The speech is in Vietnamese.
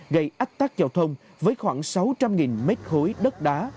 gây ách tắc giao thông với khoảng sáu trăm linh m ba đất đá